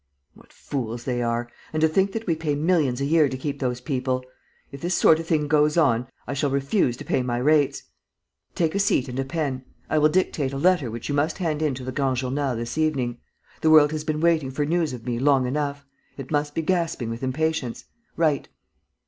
"What fools they are! And to think that we pay millions a year to keep those people. If this sort of thing goes on, I shall refuse to pay my rates. Take a seat and a pen. I will dictate a letter which you must hand in to the Grand Journal this evening. The world has been waiting for news of me long enough. It must be gasping with impatience. Write."